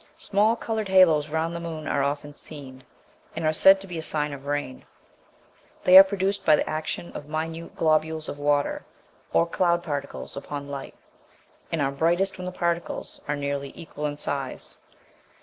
Small coloured halos round the moon are often seen, and are said to be a sign of rain. They are produced by the action of minute globules of water or cloud particles upon light, and are brightest when the particles are nearly equal in size.